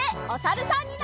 おさるさん。